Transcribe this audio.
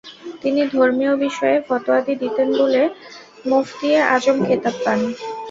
তিনি ধর্মীয় বিষয়ে ফতোয়াদি দিতেন বলে ‘মুফতিয়ে আজম’ খেতাব পান।